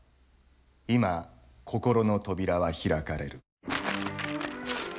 今、心の扉は開かれる。